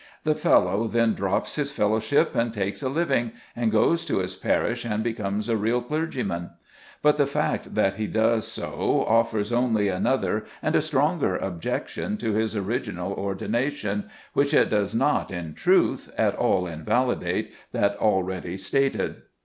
The fellow then drops his fellowship, and takes a living, and goes to his parish and becomes a real clergyman. But the fact that he does so offers only another and a stronger objection to his original ordination, while it does not, in truth, at all invalidate that already stated.